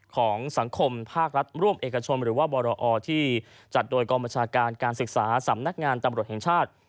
ของสังคมภาครัฐร่วมเอกชนหรือว่าบรอที่จัดโดยกองบัญชาการการศึกษาสำนักงานตำรวจแห่งชาติ